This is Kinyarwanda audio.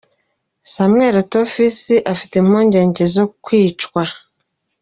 Samweli Eto’o Fisi afite impungenge zo kwicwa